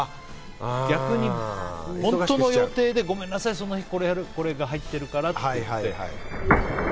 逆に本当の予定でごめんなさいその日、これが入ってるからって言って。